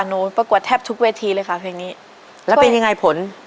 ประกวดแทบทุกเวทีเลยค่ะเพลงนี้แล้วเป็นยังไงผล